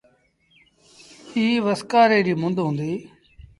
ايٚ وسڪآري ريٚ مند هُݩديٚ۔